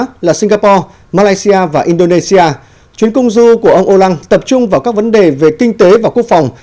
trong khu vực singapore malaysia và indonesia chuyến công du của ông o lang tập trung vào các vấn đề về kinh tế và quốc phòng